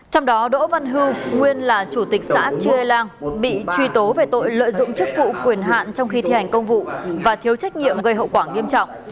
trong đó đỗ văn hưu nguyên là chủ tịch xã chia lang bị truy tố về tội lợi dụng chức vụ quyền hạn trong khi thi hành công vụ và thiếu trách nhiệm gây hậu quả nghiêm trọng